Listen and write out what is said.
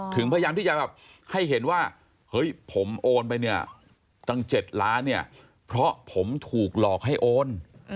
พยายามที่จะแบบให้เห็นว่าเฮ้ยผมโอนไปเนี่ยตั้ง๗ล้านเนี่ยเพราะผมถูกหลอกให้โอน